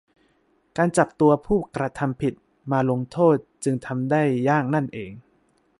การจับตัวผู้กระทำผิดมาลงโทษจึงทำได้ยากนั่นเอง